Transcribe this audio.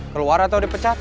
keluar atau dipecat